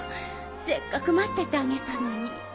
せっかく待っててあげたのに。